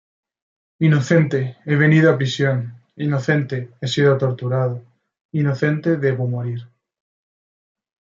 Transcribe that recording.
Inocente, he venido a prisión, inocente, he sido torturado, inocente debo morir.